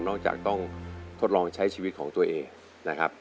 จากต้องทดลองใช้ชีวิตของตัวเองนะครับ